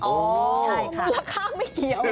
มูลค่าไม่เกี่ยว